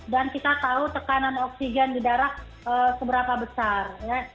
dan kita tahu tekanan oksigen di darah seberapa besar